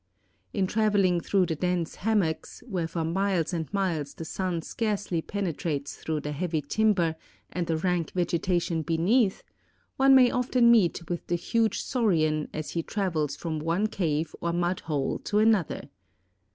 In traveling through the dense hammocks, where for miles and miles the sun scarcely penetrates through the heavy timber and the rank vegetation beneath, one may often meet with the huge saurian as he travels from one cave or mud hole to another.